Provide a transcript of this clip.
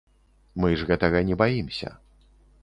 Мы ж гэтага не баімся.